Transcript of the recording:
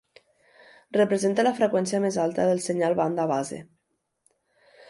Representa la freqüència més alta del senyal banda base.